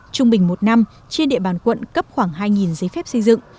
trung bình một năm trên địa bàn quận cấp khoảng hai giấy phép xây dựng